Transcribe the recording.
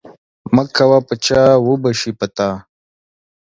مه کوه په چا وبه سي په تا.